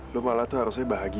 lu malah tuh harusnya bahagia